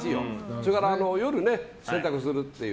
それから、夜に洗濯するっていう。